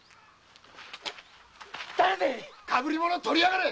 誰でいっ⁉かぶり物取りやがれ！